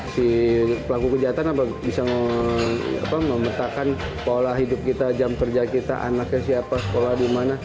si pelaku kejahatan apa bisa memetakan pola hidup kita jam kerja kita anaknya siapa sekolah di mana